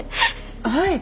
はい！